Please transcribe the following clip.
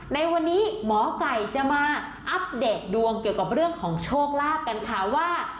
ในวันนี้หมอไก่จะมาอัปเดตดวงเกี่ยวกับเรื่องของโชคลาภกันค่ะว่า